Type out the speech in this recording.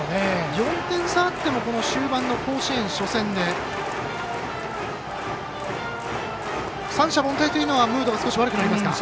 ４点差あっても終盤の甲子園初戦で三者凡退というのは少しムード悪くなりますか。